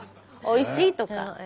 「おいしい」とか。